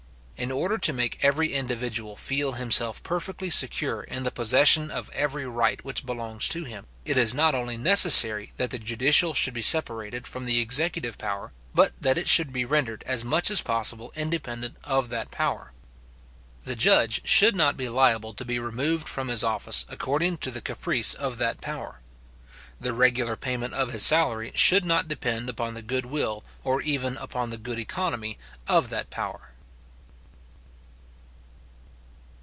In order to make every individual feel himself perfectly secure in the possession of every right which belongs to him, it is not only necessary that the judicial should be separated from the executive power, but that it should be rendered as much as possible independent of that power. The judge should not be liable to be removed from his office according to the caprice of that power. The regular payment of his salary should not depend upon the good will, or even upon the good economy of that power.